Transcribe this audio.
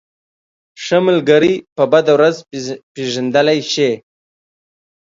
ښه ملگری په بده ورځ پېژندلی شې.